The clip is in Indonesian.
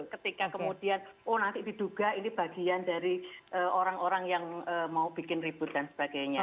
ketika kemudian oh nanti diduga ini bagian dari orang orang yang mau bikin ribut dan sebagainya